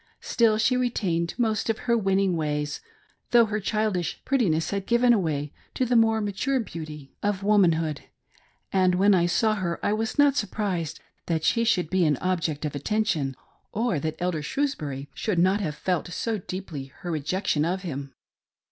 Still she retained most of her winning ways, though her childish prettiness had given place to the more mature beauty 1)64 MARY burton's LOVER. of womanhood, and when I saw her I Was not surprised, that she should be an object o£ attention, or that Elder Shrews bury should have felt so deeply her rejection of him.